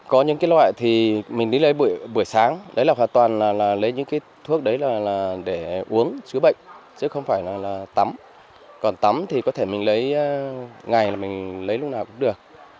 có những cái loại thì mình đi lấy buổi sáng đấy là hoàn toàn là lấy những cái thuốc đấy là để uống chữa bệnh chứ không phải là tắm còn tắm thì có thể mình lấy ngày là mình lấy lúc nào cũng được